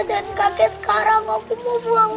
dan kakek sekarang aku mau pulang